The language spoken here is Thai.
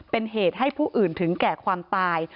เป็นเหตุให้ผู้อื่นถึงแก่ความตาย